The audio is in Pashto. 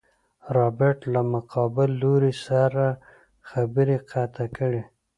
رابرټ له مقابل لوري سره خبرې قطع کړې.